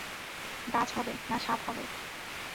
গাছ হবে, না সাপ হবে।